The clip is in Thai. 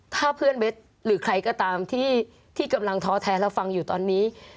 ถ้าเพื่อนเบสหรือใครก็ตามที่กำลังท้อแท้และฟังอยู่ตอนนี้